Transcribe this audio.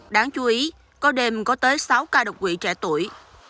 đáng chú ý có đêm có tới sáu ca đột quỵ trẻ tuổi